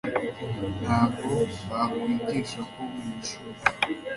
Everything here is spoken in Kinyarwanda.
Ntabwo bakwigisha ko mwishuri